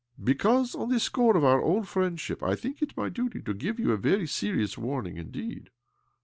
" Because, on the score of our old friend ship, I think it my duty to give you a very serious warning indeed."